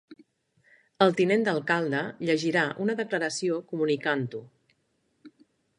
El tinent d'alcalde llegirà una declaració comunicant-ho